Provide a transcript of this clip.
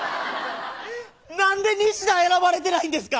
なんでニシダ選ばれてないんですか。